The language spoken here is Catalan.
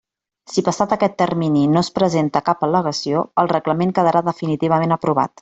Si passat aquest termini no es presenta cap al·legació, el reglament quedarà definitivament aprovat.